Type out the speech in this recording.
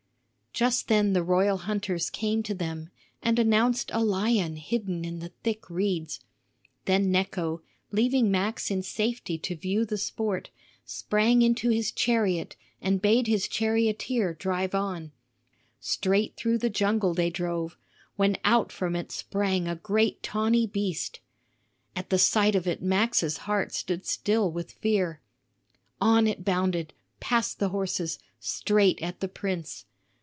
Just then the royal hunters came to them and announced a lion hidden in the thick reeds. Then Necho, leaving Max in safety to view the sport, sprang into his chariot and bade his charioteer drive on. Straight toward the jungle they drove, when out from it sprang a great tawny beast. At the sight of it Max's heart stood still with fear. On it bounded, past the horses, straight at the prince.